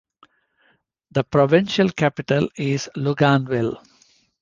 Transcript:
The provincial capital is Luganville.